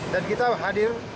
dan kita hadir